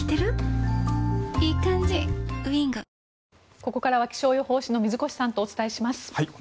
ここからは気象予報士の水越さんとお伝えします。